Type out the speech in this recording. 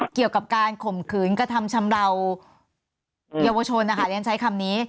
เกี่ยวกับการข่มขืนกระทำชำราวเยาวชนนะคะเรียนใช้คำนี้